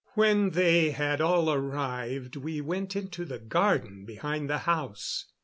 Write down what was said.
When they had all arrived we went into the garden behind the house.